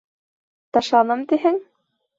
Ташланым тиһең?